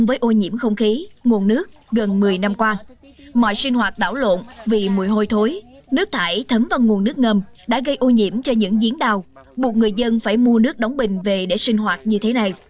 vì mùi hôi thối nước thải thấm vào nguồn nước ngâm đã gây ô nhiễm cho những diễn đào buộc người dân phải mua nước đóng bình về để sinh hoạt như thế này